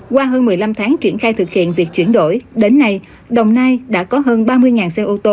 qua hơn một mươi năm tháng triển khai thực hiện việc chuyển đổi đến nay đồng nai đã có hơn ba mươi xe ô tô